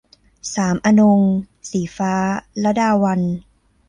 สามอนงค์ - ศรีฟ้า ลดาวัลย์